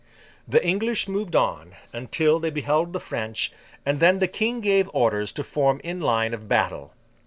The English moved on, until they beheld the French, and then the King gave orders to form in line of battle.